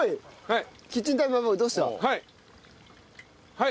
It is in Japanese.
はい。